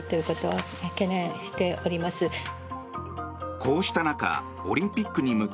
こうした中オリンピックに向け